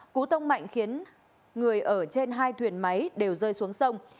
cú tông mạnh khiến người ở trên hai thuyền máy đều rơi xuống sông